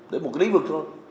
để một lĩnh vực cho nó